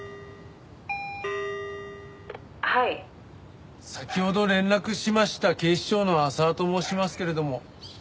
「はい」先ほど連絡しました警視庁の浅輪と申しますけれども。